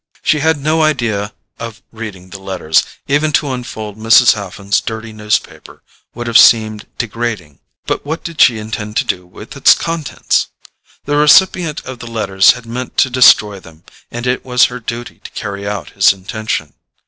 She had no idea of reading the letters; even to unfold Mrs. Haffen's dirty newspaper would have seemed degrading. But what did she intend to do with its contents? The recipient of the letters had meant to destroy them, and it was her duty to carry out his intention.